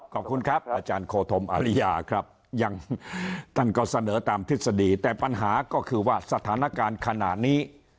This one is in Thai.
ขอบคุณครับอาจารย์โคธมอาริยาครับยังท่านก็เสนอตามทฤษฎีแต่ปัญหาก็คือว่าสถานการณ์ขณะนี้